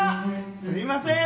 すみません